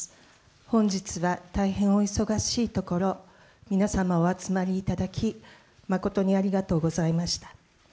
本日は大変お忙しいところ、皆様お集まりいただき、誠にありがとうございました。